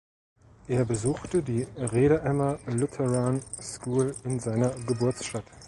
Er besuchte die "Redeemer Lutheran School" in seiner Geburtsstadt.